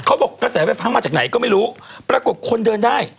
เขาบอกกระแสไฟฟ้ามาจากไหนก็ไม่รู้ปรากฏคนเดินได้